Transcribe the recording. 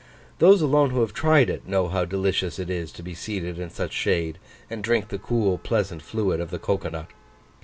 Those alone who have tried it, know how delicious it is to be seated in such shade, and drink the cool pleasant fluid of the cocoa nut.